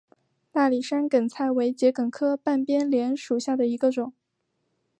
大理山梗菜为桔梗科半边莲属下的一个种。